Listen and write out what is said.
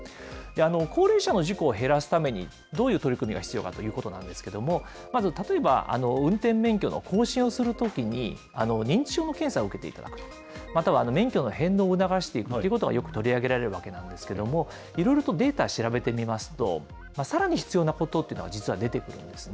高齢者の事故を減らすためにどういう取り組みが必要かということなんですけども、まず、例えば運転免許の更新をするときに、認知症の検査を受けていただくと、または免許の返納を促しているということがよく取り上げられるわけなんですけれども、いろいろとデータ調べてみますと、さらに必要なことっていうのは実は出てくるんですね。